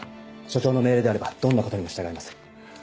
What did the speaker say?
署長の命令であればどんなことにも従います。